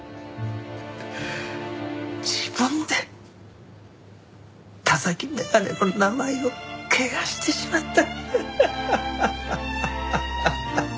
自分で田崎眼鏡の名前を汚してしまった。